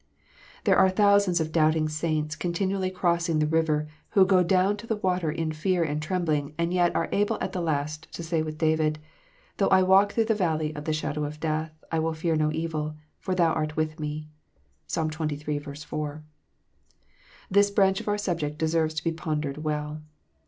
There are thousands of doubting saints continually crossing the river, who go down to the water in fear and trembling, and yet are able at last to say with David, " Though I walk through the valley of the shadow of death, I will fear no evil ; for Thou art with me." (Psa. xxiii. 4.) This branch of our subject deserves to be pondered well.